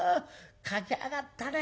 書きやがったね。